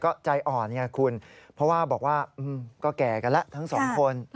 ก็ใจอ่อนไงคุณเพราะว่าบอกว่าก็แก่กันแล้วทั้งสองคน